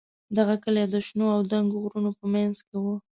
دغه کلی د شنو او دنګو غرونو په منځ کې و.